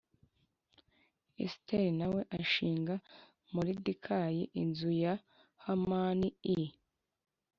Esiteri na we ashinga Moridekayi inzu ya Hamani i